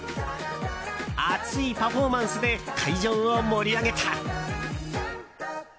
熱いパフォーマンスで会場を盛り上げた。